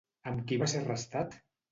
Amb qui va ser arrestat?